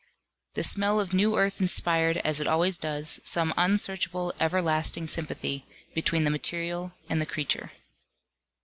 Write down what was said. The smell of new earth inspired, as it always does, some unsearchable everlasting sympathy between the material and the creature.